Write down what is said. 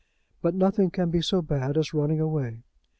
But nothing can be so bad as running away.